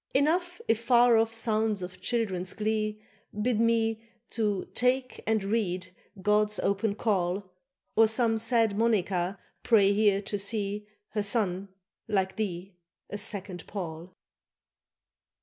Enough if far off sounds of children's glee Bid me to "take and read" God's open call, Or some sad Monnica pray here to see Her son, like thee, a second Paul.